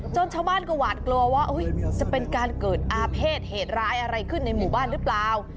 ชาวบ้านก็หวาดกลัวว่าจะเป็นการเกิดอาเภษเหตุร้ายอะไรขึ้นในหมู่บ้านหรือเปล่า